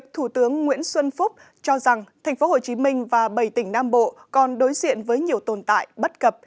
thủ tướng nguyễn xuân phúc cho rằng tp hcm và bảy tỉnh nam bộ còn đối diện với nhiều tồn tại bất cập